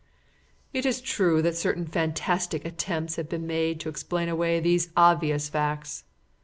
"It is true that certain fantastic attempts have been made to explain away these obvious facts.